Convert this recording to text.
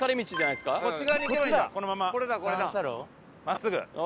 真っすぐ。